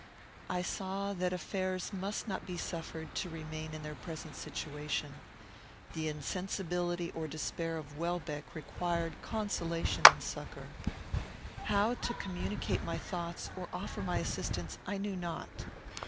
I saw that affairs must not be suffered to remain in their present situation. The insensibility or despair of Welbeck required consolation and succour. How to communicate my thoughts, or offer my assistance, I knew not.